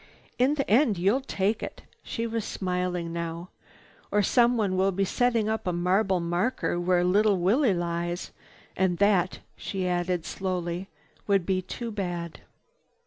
"In the end you'll take it." She was smiling now. "Or someone will be setting up a marble marker where little Willie lies. And that," she added slowly, "would be too bad."